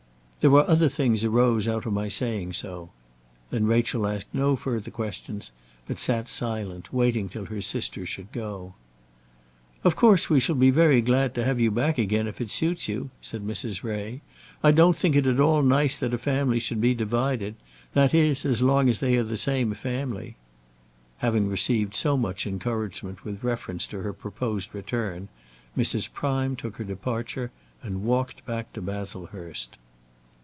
"There were other things arose out of my saying so." Then Rachel asked no further questions, but sat silent, waiting till her sister should go. "Of course we shall be very glad to have you back again if it suits you to come," said Mrs. Ray. "I don't think it at all nice that a family should be divided, that is, as long as they are the same family." Having received so much encouragement with reference to her proposed return, Mrs. Prime took her departure and walked back to Baslehurst.